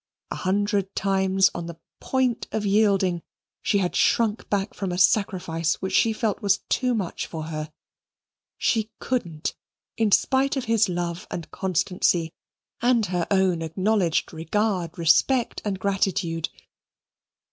A hundred times on the point of yielding, she had shrunk back from a sacrifice which she felt was too much for her. She couldn't, in spite of his love and constancy and her own acknowledged regard, respect, and gratitude.